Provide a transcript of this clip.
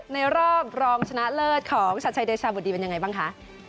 ในรอบรองชนะเลิศของชัดชัยเดชาบุดีเป็นยังไงบ้างคะ